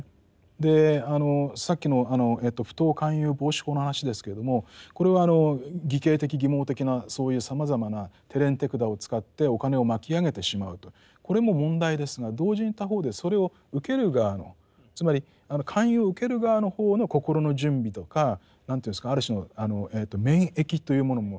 でさっきの不当勧誘防止法の話ですけれどもこれは偽計的欺罔的なそういうさまざまな手練手管を使ってお金を巻き上げてしまうとこれも問題ですが同時に他方でそれを受ける側のつまり勧誘を受ける側の方の心の準備とか何ていうんですかある種の免疫というものも重要だと思うんですね。